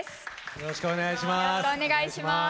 よろしくお願いします。